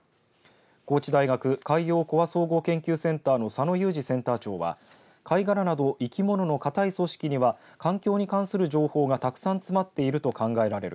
高知大学海洋コア総合研究センターの佐野有司センター長は貝殻などの生き物の固い組織には環境に関する情報が、たくさん詰まっていると考えられる。